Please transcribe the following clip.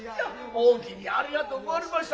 おおきにありがとうごわりました。